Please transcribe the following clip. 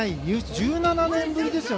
１７年ぶりですよ